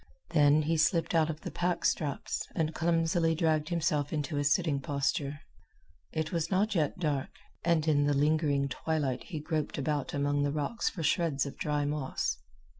Then he slipped out of the pack straps and clumsily dragged himself into a sitting posture. It was not yet dark, and in the lingering twilight he groped about among the rocks for shreds of dry moss.